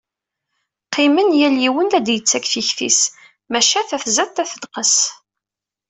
Qimmen yal yiwen la d-yettakk tikti-s, maca ta tzad ta tenqes.